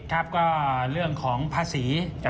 ครับก็เรื่องของภาษี